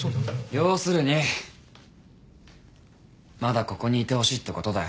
要するにまだここにいてほしいってことだ。